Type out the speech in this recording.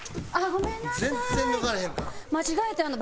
ごめんなさい。